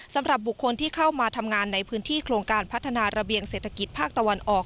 สำหรับบุคคลที่เข้ามาทำงานในพื้นที่โครงการพัฒนาระเบียงเศรษฐกิจภาคตะวันออก